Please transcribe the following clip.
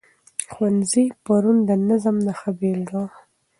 ښوونځي پرون د نظم ښه بېلګه وه.